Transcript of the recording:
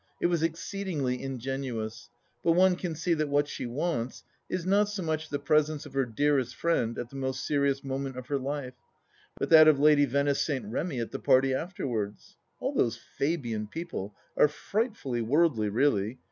It was exceedingly ingenuous, but one can see that what she wants is not so much the " presence of her dearest friend at the most serious moment of her life," but that of Lady Venice St. Remy at the party afterwards. All those Fabian people are frightfully worldly, really.